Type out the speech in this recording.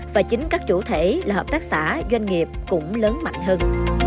và chính các chủ thể là hợp tác xã doanh nghiệp cũng lớn mạnh hơn